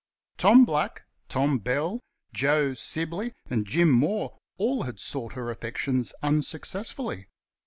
Tom Black, Tom Bell, Joe Sibly, and Jim Moore all had sought her affections unsuccessfully.